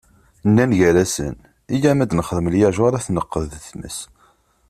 Nnan gar-asen: Yyaw ad nxedmet lyajuṛ, ad t-neqqed di tmes.